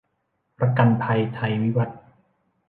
ประกันภัยไทยวิวัฒน์